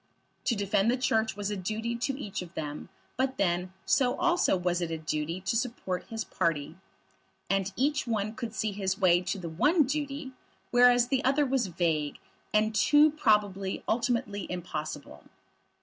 To defend the Church was a duty to each of them; but then, so also was it a duty to support his party. And each one could see his way to the one duty, whereas the other was vague, and too probably ultimately impossible.